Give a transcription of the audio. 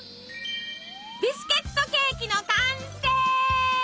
ビスケットケーキの完成！